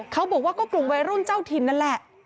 เขาบอกว่าก็กลุ่มวัยรุ่นเจ้าถิ่นนั่นแหละ